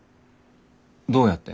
どうやって？